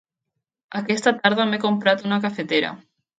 Aquesta tarda m'he comprat una cafetera.